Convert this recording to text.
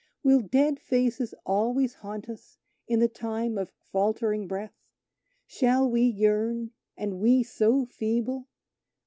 Will dead faces always haunt us, in the time of faltering breath? Shall we yearn, and we so feeble?"